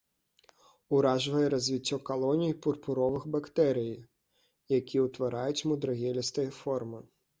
Уражвае развіццё калоній пурпуровых бактэрый, якія ўтвараюць мудрагелістыя формы.